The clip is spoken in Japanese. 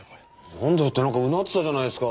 なんだよってなんかうなってたじゃないですか